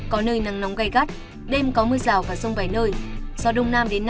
có nơi nắng nóng gây gắt